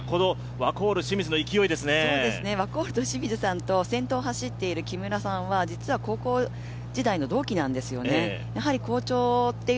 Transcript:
ワコールの清水さんと先頭を走っている木村さんは実は高校時代の同期なんですね。